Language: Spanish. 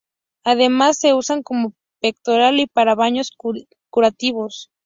Además se usan como pectoral y para baños curativos.